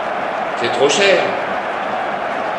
C’est trop cher.